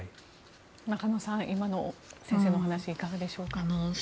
中野さん、今の先生のお話いかがでしょうか？